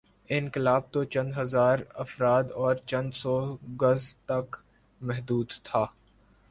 انقلاب توچند ہزارافراد اور چندسو گز تک محدود تھا۔